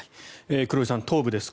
黒井さん、東部です。